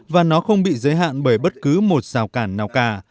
và nó không bị giới hạn bởi bất cứ một rào cản nào cả